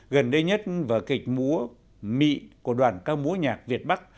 gần đây nhất vào kịch múa mị của đoàn cao múa nhạc việt bắc